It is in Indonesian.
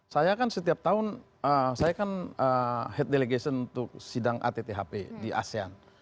saya kan setiap tahun saya kan head delegation untuk sidang atthp di asean